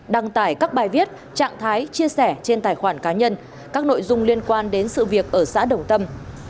đăng tải các bài viết trạng thái chia sẻ trên tài khoản cá nhân các nội dung liên quan đến sự việc ở xã đồng tâm